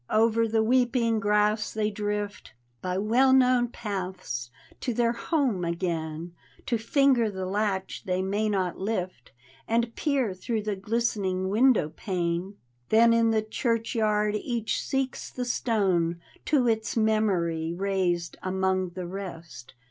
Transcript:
Over the weeping grass they drift By well known paths to their homes again, To finger the latch they may not lift And peer through the glistering window pane. Then in the churchyard each seeks the stone To its memory raised among the rest.